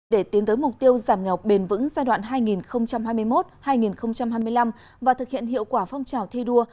để tiến tới mục tiêu giảm nghèo bền vững giai đoạn hai nghìn hai mươi một hai nghìn hai mươi năm và thực hiện hiệu quả phong trào thi đua